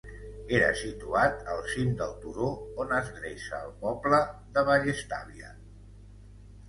Era situat al cim del turó on es dreça el poble de Vallestàvia.